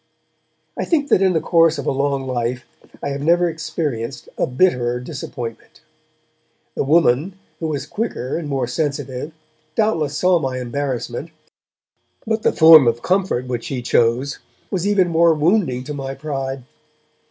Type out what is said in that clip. I think that in the course of a long life I have never experienced a bitterer disappointment. The woman, who was quicker, and more sensitive, doubtless saw my embarrassment, but the form of comfort which she chose was even more wounding to my pride.